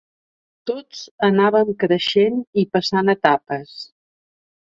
Tots anàvem creixent i passant etapes.